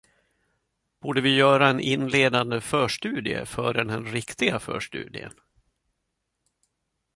Borde vi göra en inledande förstudie före den riktiga förstudien?